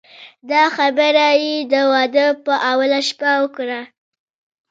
دا خبره یې د واده په اوله شپه وکړه.